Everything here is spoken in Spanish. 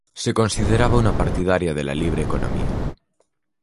Se consideraba una partidaria de la libre economía.